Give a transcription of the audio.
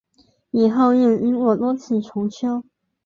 以后又经过多次重修。